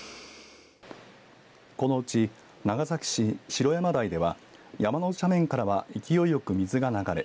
このうち、長崎市城山台では山の斜面からは勢いよく水が流れ